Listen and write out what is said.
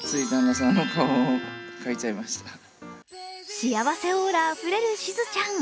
幸せオーラあふれるしずちゃん。